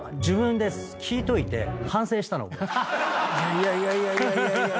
いやいやいやいや。